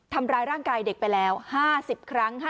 ทำร้ายร่างกายเด็กไปแล้ว๕๐ครั้ง